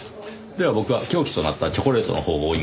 では僕は凶器となったチョコレートのほうを追いましょう。